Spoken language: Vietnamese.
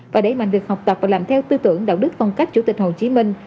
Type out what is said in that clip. và đẩy mạnh việc học tập và làm theo tư tưởng đạo đức phong cách chủ tịch hồ chí minh